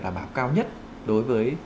đảm bảo cao nhất đối với